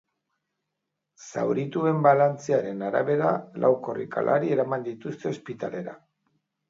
Zaurituen balantzearen arabera, lau korrikalari eraman dituzte ospitalera.